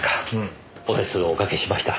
お手数をおかけしました。